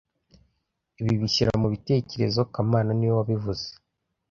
Ibi bishyira mubitekerezo kamana niwe wabivuze